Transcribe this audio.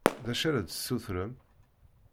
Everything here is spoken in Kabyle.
D acu ad d-tessutrem?